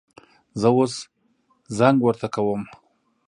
زه اوس زنګ ورته کوم